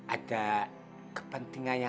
ada kepentingan yang harus ditolong